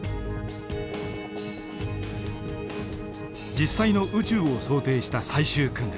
実際の宇宙を想定した最終訓練。